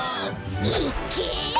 いっけ！